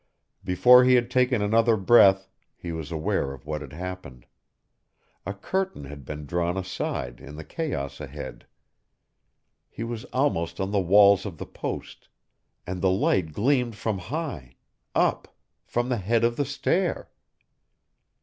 Before he had taken another breath he was aware of what had happened. A curtain had been drawn aside in the chaos ahead. He was almost on the walls of the post and the light gleamed from high, up, from the head of the stair!